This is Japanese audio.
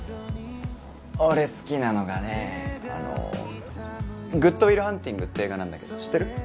俺好きなのがねあの「グッド・ウィル・ハンティング」って映画なんだけど知ってる？